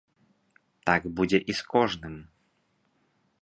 Так будзе і з кожным!